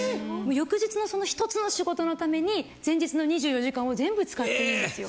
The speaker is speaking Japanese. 翌日のその１つの仕事のために前日の２４時間を全部使っていいんですよ。